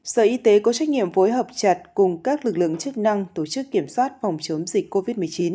sở y tế có trách nhiệm phối hợp chặt cùng các lực lượng chức năng tổ chức kiểm soát phòng chống dịch covid một mươi chín